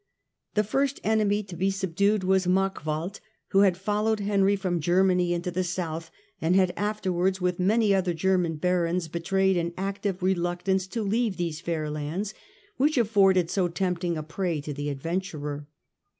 The first enemy to be subdued was Markwald, who had followed Henry from Germany into the South, and had afterwards, with many other German barons, betrayed an active reluctance to leave these fair lands, which afforded so tempting a prey to the adventurer.